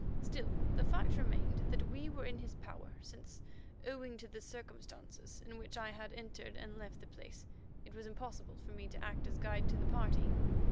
Still, the fact remained that we were in his power, since owing to the circumstances in which I had entered and left the place, it was impossible for me to act as guide to the party.